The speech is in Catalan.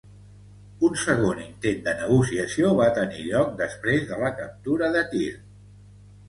Un segon intent de negociació va tenir lloc després de la captura de Tir.